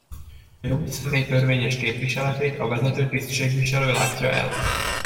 A jogi személy törvényes képviseletét a vezető tisztségviselő látja el.